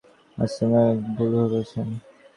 Astronomer ভুল বলেছে।